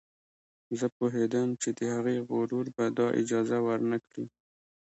زه پوهېدم چې د هغې غرور به دا اجازه ور نه کړي